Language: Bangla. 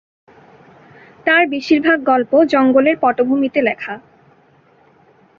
তার বেশির ভাগ গল্প জঙ্গলের পটভূমিতে লেখা।